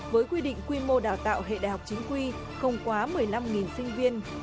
với quy định quy mô đào tạo hệ đại học chính quy không quá một mươi năm sinh viên